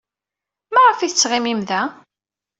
Maɣef ay tettɣimim da?